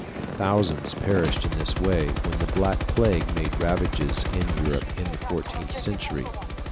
Thousands perished in this way when the black plague made ravages in Europe in the fourteenth century.